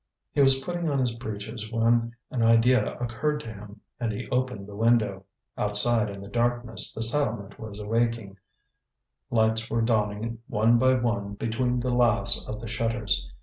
He was putting on his breeches when an idea occurred to him, and he opened the window. Outside in the darkness the settlement was awaking, lights were dawning one by one between the laths of the shutters.